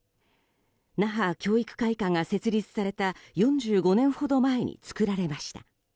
那覇教育会館が設立された４５年ほど前に作られました。